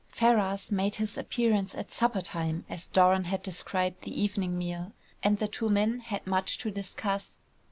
Ferrars made his appearance at "supper time" as Doran had described the evening meal, and the two men had much to discuss.